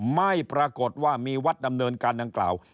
ไม่ปรากฏว่ามีวัดดำเนินการดังกล่าว